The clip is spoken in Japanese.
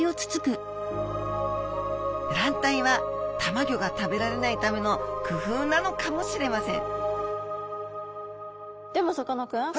卵帯はたまギョが食べられないためのくふうなのかもしれませんでもさかなクン。